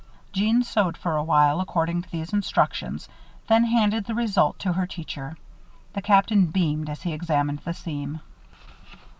Jeanne sewed for a while, according to these instructions, then handed the result to her teacher. The Captain beamed as he examined the seam.